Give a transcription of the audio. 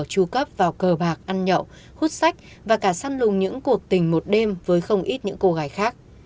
tru cấp vào cờ bạc ăn nhậu hút sách và cả săn lùng những cuộc tình một đêm với không ít những cô gái khác